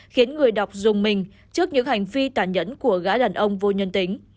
khiến người đọc dùng mình trước những hành vi tàn nhẫn của gã đàn ông vô nhân tính